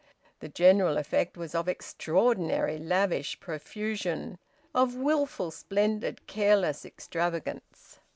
The general effect was of extraordinary lavish profusion of wilful, splendid, careless extravagance.